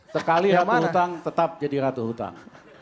sekali ratu hutang tetap jadi ratu hutang